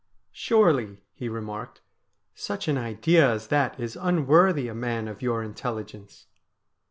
' Surely,' he remarked, ' such an idea as that is unworthy a man of your intelligence.'